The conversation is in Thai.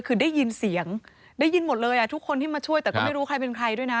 คือได้ยินเสียงได้ยินหมดเลยอ่ะทุกคนที่มาช่วยแต่ก็ไม่รู้ใครเป็นใครด้วยนะ